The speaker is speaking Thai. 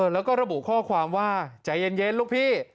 แล้วก็ระบุข้อความว่าใจเย็นลูกพี่